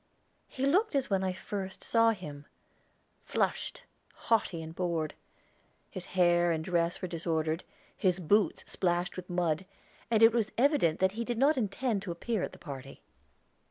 He looked as when I first saw him flushed, haughty, and bored. His hair and dress were disordered, his boots splashed with mud; and it was evident that he did not intend to appear at the party.